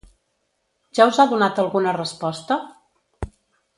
Ja us ha donat alguna resposta?